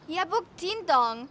ya buktiin dong